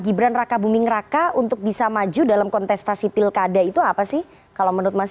gibran raka buming raka untuk bisa maju dalam kontestasi pilkada itu apa sih kalau menurut mas